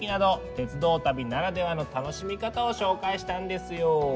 鉄道旅ならではの楽しみ方を紹介したんですよ。